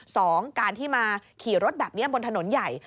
สองการที่มาขี่รถแบบนี้บนถนนใหญ่